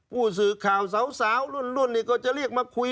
ผู้สื่อข่าวสาวรุ่นนี่ก็จะเรียกมาคุย